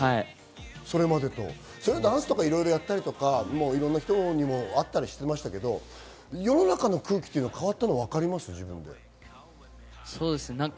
ダンスいろいろやったりとか、いろんな人に会ったりしましたけれど、世の中の空気が変わったのはわかりますか？